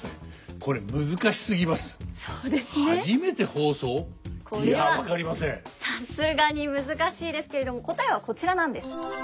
これはさすがに難しいですけれども答えはこちらなんです。